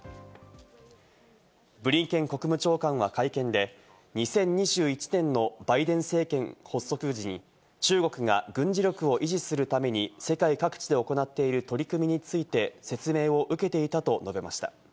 ブリンケン国務長官は会見で２０２１年のバイデン政権発足時に中国が軍事力を維持するために世界各地で行っている取り組みについて説明を受けていたと述べました。